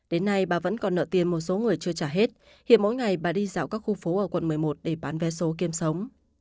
đến nay bà vẫn còn nợ tiền một số người chưa trả hết hiện mỗi ngày bà đi dạo các khu phố ở quận một mươi một để bán vé số kiêm sống